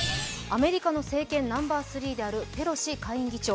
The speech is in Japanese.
アメリカの政権ナンバー３であるペロシ下院議長。